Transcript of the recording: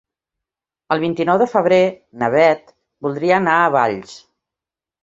El vint-i-nou de febrer na Beth voldria anar a Valls.